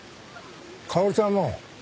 薫ちゃんも。